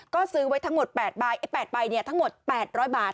ก็ซื้อไว้ทั้งหมด๘ใบ๘ใบทั้งหมด๘๐๐บาท